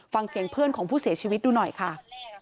ฟังเสียงเพื่อนของผู้เสียชีวิตดูหน่อยค่ะ